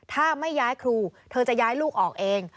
ถ้าไม่ย้ายครูเธอจะย้ายลูกออกเอง